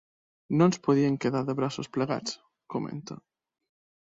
No ens podíem quedar de braços plegats, comenta.